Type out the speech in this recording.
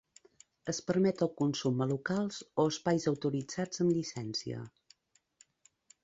Es permet el consum a locals o espais autoritzats amb llicència.